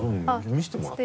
見せてもらっていい？